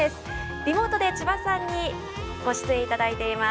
リモートで千葉さんにご出演いただいています。